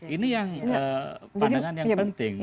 ini yang pandangan yang penting